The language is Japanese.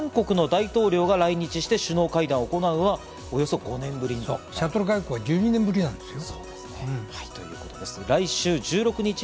なかなか動きがなかったということですが、韓国の大統領が来日して首脳会談を行うのは、およそ５年ぶり、シャトル外交は１２年ぶりなんですよ。